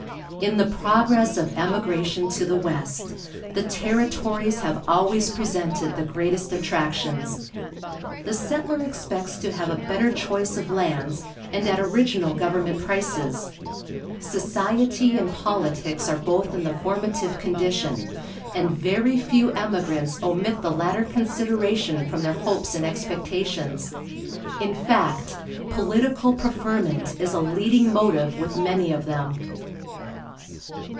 In the progress of emigration to the West, the territories have always presented the greatest attractions. The settler expects to have a better choice of lands, and at original government prices. Society and politics are both in the formative condition, and very few emigrants omit the latter consideration from their hopes and expectations. In fact, political preferment is a leading motive with many of them.